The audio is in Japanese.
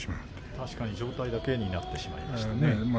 確かに上体だけになってしまいましたね。